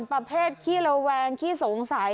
ประเภทคี่ระวังคี่สงสัย